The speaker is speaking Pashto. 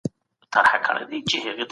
تاسو به له فکري بندیزونو څخه ازاد اوسئ.